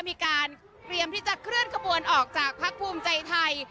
มีการเตรียมที่จะเคลื่อนขบวนออกจากพักภูมิใจไทย